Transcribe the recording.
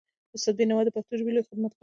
استاد بینوا د پښتو ژبې لوی خدمتګار و.